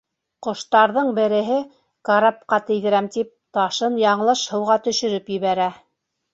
Ҡоштарҙың береһе, карапҡа тейҙерәм тип, ташын яңылыш һыуға төшөрөп ебәрә.